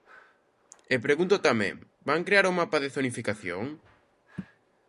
E pregunto tamén: ¿van crear o mapa de zonificación?